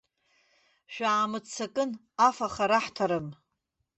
Шәаамыццакын, афаха раҳҭарым.